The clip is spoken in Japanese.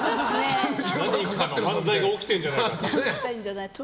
何かの犯罪が起きてるんじゃないかと。